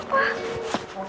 mau ke dia kak